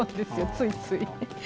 ついつい。